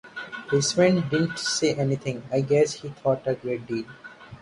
Heisman didn't say anything, I guess he thought a great deal.